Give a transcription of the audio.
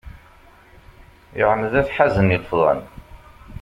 Iɛemmed ad teḥazen ilefḍan.